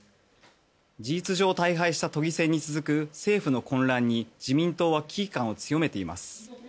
事実上大敗した都議選に続く政府の混乱に自民党は危機感を強めています。